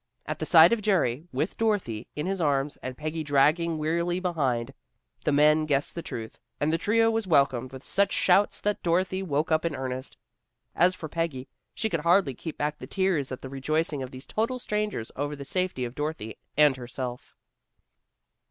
At the sight of Jerry, with Dorothy in his arms, Peggy dragging wearily behind, the men guessed the truth, and the trio was welcomed with such shouts that Dorothy woke up in earnest. As for Peggy, she could hardly keep back the tears at the rejoicing of these total strangers over the safety of Dorothy and herself.